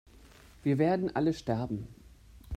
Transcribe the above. Wir werden alle sterben!